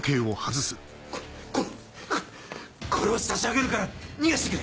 こここれを差し上げるから逃がしてくれ！